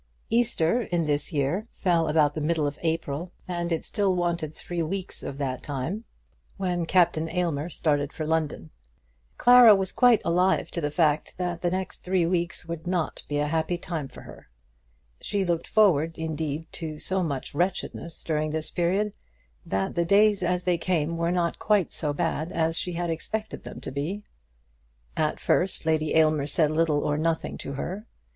Easter in this year fell about the middle of April, and it still wanted three weeks of that time when Captain Aylmer started for London. Clara was quite alive to the fact that the next three weeks would not be a happy time for her. She looked forward, indeed, to so much wretchedness during this period, that the days as they came were not quite so bad as she had expected them to be. At first Lady Aylmer said little or nothing to her.